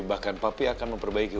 bahkan papi akan memperbaiki diri kamu